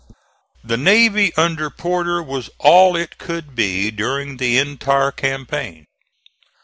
The navy under Porter was all it could be, during the entire campaign.